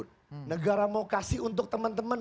negara mau kasih untuk teman teman